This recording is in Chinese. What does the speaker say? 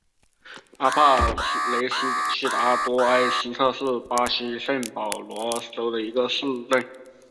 阿帕雷西达多埃斯特是巴西圣保罗州的一个市镇。